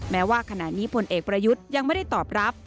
แม้ว่าขณะนี้พลเอกประยุทธ์ยังไม่ได้ตอบรับ